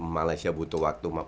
malaysia butuh waktu